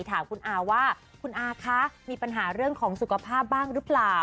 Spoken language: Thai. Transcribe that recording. ถามคุณอาว่าคุณอาคะมีปัญหาเรื่องของสุขภาพบ้างหรือเปล่า